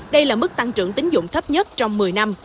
đây là mức tăng trưởng tính dụng thấp nhất trong một mươi năm